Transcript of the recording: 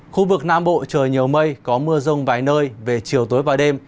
khu vực nam bộ trời nhiều mây có mưa rông vài nơi về chiều tối và đêm